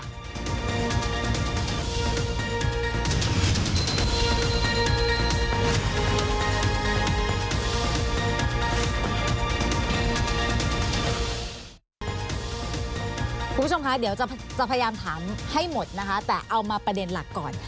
คุณผู้ชมคะเดี๋ยวจะพยายามถามให้หมดนะคะแต่เอามาประเด็นหลักก่อน